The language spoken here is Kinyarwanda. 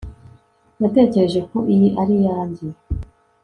Natekereje ko iyi ari iyanjye